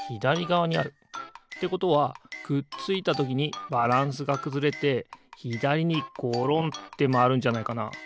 ということはくっついたときにバランスがくずれてひだりにごろんってまわるんじゃないかな？